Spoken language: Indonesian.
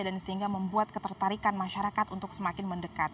dan sehingga membuat ketertarikan masyarakat untuk semakin mendekat